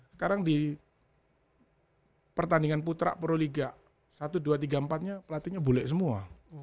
sekarang di pertandingan putra proliga satu dua tiga empat nya pelatihnya bule semua